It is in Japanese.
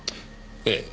ええ。